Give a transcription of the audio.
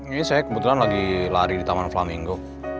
ini saya kebetulan lagi lari di taman flaminggo